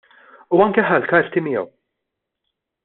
U anke ħa l-karti miegħu!